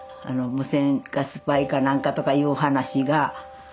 無線かスパイか何かとかいう話が。